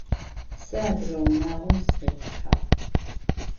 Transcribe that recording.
Se adıge vunağom sıkhixhuhağ.